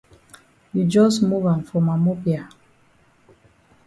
You jus move am for ma mop ya.